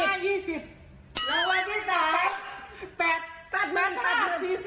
โน่นเเห่ยแล้ววันที่สาย๘๐๐๐แล้ววันนี้๔๐๐๐๐